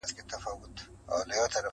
ما نن خپل خدای هېر کړ، ما تاته سجده وکړه